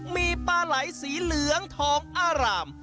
มีปลาไหลสีเหลืองทองอาราม